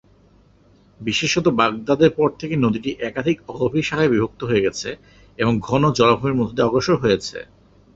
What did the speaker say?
বিশেষত বাগদাদের পর থেকে নদীটি একাধিক অগভীর শাখার বিভক্ত হয়ে গেছে এবং ঘন জলাভূমির মধ্য দিয়ে অগ্রসর হয়েছে।